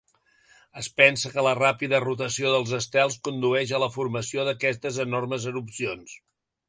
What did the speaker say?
Es pensa que la ràpida rotació dels estels condueix a la formació d'aquestes enormes erupcions.